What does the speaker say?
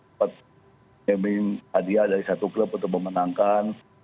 memin hadiah dari satu klub untuk memenangkan